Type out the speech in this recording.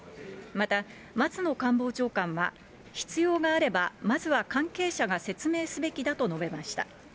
また、松野官房長官は、必要があれば、まずは関係者が説明すべきだと述べました。